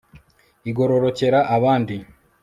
igororokera abandi